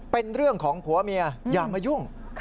เป็นเรื่องของผัวเมียอย่ามายุ่ง